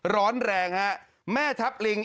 ร้อนแรงฮะแม่ทัพลิง